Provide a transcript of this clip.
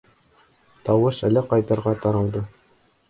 Тауыш әллә ҡайҙарға таралды.